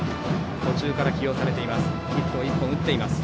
途中から起用されています。